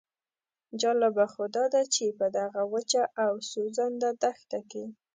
جالبه خو داده چې په دغه وچه او سوځنده دښته کې.